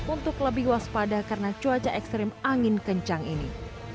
untuk lebih waspada karena cuaca ekstrim angin kencang ini